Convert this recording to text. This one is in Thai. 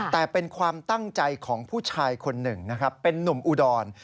แต่เป็นความตั้งใจของผู้ชายคนหนึ่งนะครับเป็นนุ่มอุดร